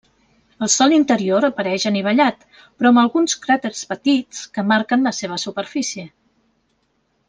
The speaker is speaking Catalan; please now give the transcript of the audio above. El sòl interior apareix anivellat, però amb alguns cràters petits que marquen la seva superfície.